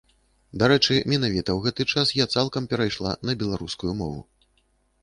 Дарэчы, менавіта ў гэты час я цалкам перайшла на беларускую мову.